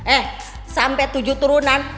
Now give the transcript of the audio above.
eh sampe tujuh turunan